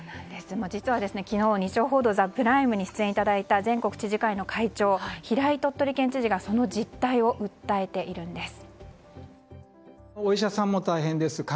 実は昨日、「日曜報道ＴＨＥＰＲＩＭＥ」に出演いただいた全国知事会の会長平井鳥取県知事がその実態を訴えているんです。